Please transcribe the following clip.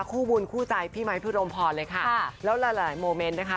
คู่บุญคู่ใจพี่ไม้พี่รมพรเลยค่ะแล้วหลายหลายโมเมนต์นะคะ